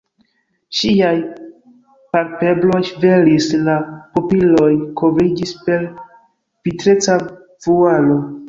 Ŝiaj palpebroj ŝvelis, la pupiloj kovriĝis per vitreca vualo.